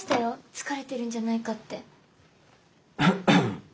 疲れてるんじゃないかって。